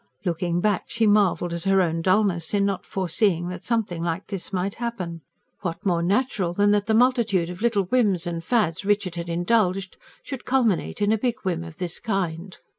Looking back, she marvelled at her own dullness in not fore seeing that something like this might happen. What more natural than that the multitude of little whims and fads Richard had indulged should culminate in a big whim of this kind?